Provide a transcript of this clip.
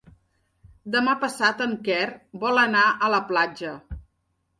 Demà passat en Quer vol anar a la platja.